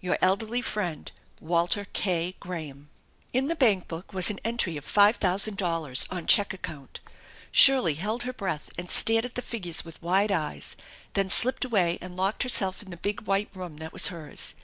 Your elderly friend, WALTER K. GRAHAM. In the bank book was an entry of five thousand dollars, on check account. Shirley held her breath and stared at the figures with wide eyes, then slipped away and locked herself in the big white room that was hers.